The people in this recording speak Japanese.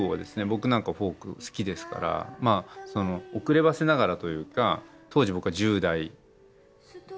僕なんかフォーク好きですからまあ遅ればせながらというか当時僕は１０代後半とかかな。